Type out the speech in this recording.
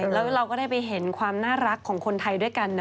แล้วเราก็ได้ไปเห็นความน่ารักของคนไทยด้วยกันนะ